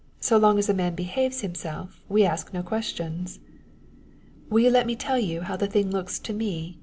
"So long as a man behaves himself, we ask no questions." "Will you let me tell you how the thing looks to me?"